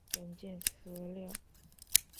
文献资料